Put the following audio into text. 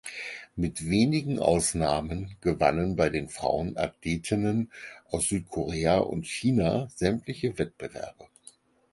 Mit wenigen Ausnahmen gewannen bei den Frauen Athletinnen aus Südkorea und China sämtliche Wettbewerbe.